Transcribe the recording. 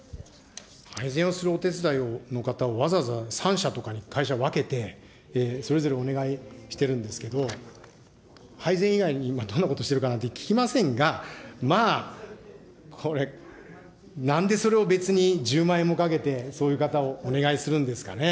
配膳をするお手伝いの方をわざわざ３社とかに会社分けて、それぞれお願いしてるんですけれども、配膳以外にどんなことをしているかなんて聞きませんが、まあ、これ、なんでそれを別に１０万円もかけてそういう方をお願いするんですかね。